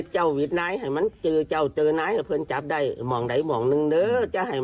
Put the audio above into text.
เจอนายแล้วทำไหนก็ได้